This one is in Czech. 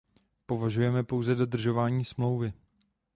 Požadujeme pouze dodržování Smlouvy.